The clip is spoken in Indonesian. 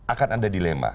akan ada dilema